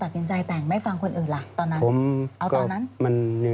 ตัดสินใจแต่งไม่ฟังคนอื่นล่ะตอนนั้น